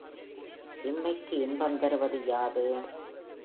இம்மைக்கு இன்பம் தருவது யாது?